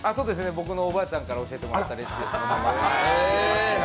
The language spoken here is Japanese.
僕のおばあちゃんから教えてもらったレシピですね。